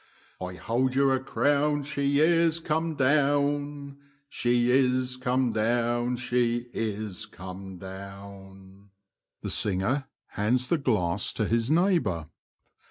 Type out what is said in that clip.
I hold you a crown she is come down. She is come down, she is come down ; [Hands it to his neighbour.